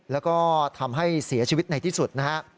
แล้วก็ทำให้เสียชีวิตในที่สุดนะฮะ